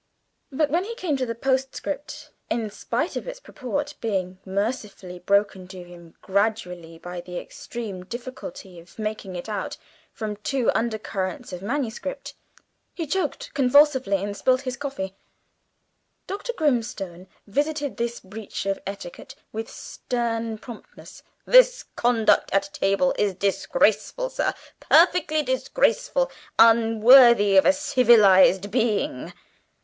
But when he came to the postscript, in spite of its purport being mercifully broken to him gradually by the extreme difficulty of making it out from two undercurrents of manuscript, he choked convulsively and spilt his coffee. Dr. Grimstone visited this breach of etiquette with stern promptness. "This conduct at table is disgraceful, sir perfectly disgraceful unworthy of a civilised being.